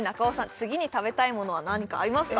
次に食べたいものは何かありますか？